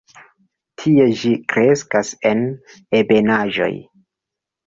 Tie ĝi kreskas en ebenaĵoj.